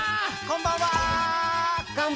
こんばんは！